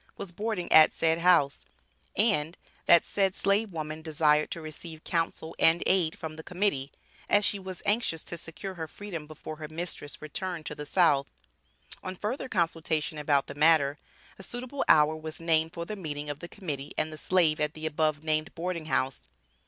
was boarding at said house, and, that said slave woman desired to receive counsel and aid from the Committee, as she was anxious to secure her freedom, before her mistress returned to the South. On further consultation about the matter, a suitable hour was named for the meeting of the Committee and the Slave at the above named boarding house.